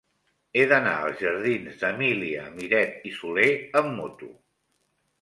He d'anar als jardins d'Emília Miret i Soler amb moto.